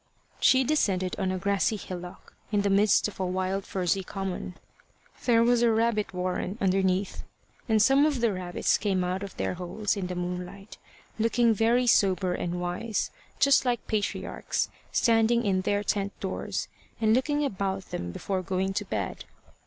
She descended on a grassy hillock, in the midst of a wild furzy common. There was a rabbit warren underneath, and some of the rabbits came out of their holes, in the moonlight, looking very sober and wise, just like patriarchs standing in their tent doors, and looking about them before going to bed.